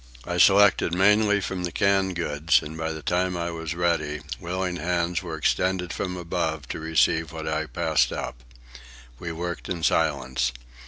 I selected mainly from the canned goods, and by the time I was ready, willing hands were extended from above to receive what I passed up. We worked in silence.